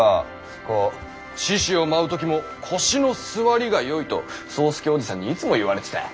こう獅子を舞う時も腰の据わりがよいと宗助おじさんにいつも言われてた。